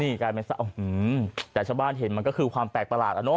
นี่กลายเป็นแต่ชาวบ้านเห็นมันก็คือความแปลกประหลาดอ่ะเนอ